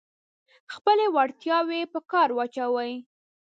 خپلې وړتیاوې په کار واچوئ.